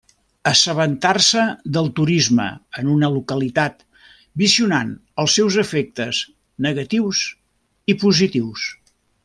Assabentar-se del turisme en una localitat visionant els seus efectes negatius i positius.